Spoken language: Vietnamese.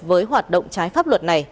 với hoạt động trái pháp luật này